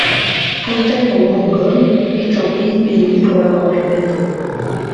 Fontaines en Bourgogne est un pays béni pour l'avoir vu naître.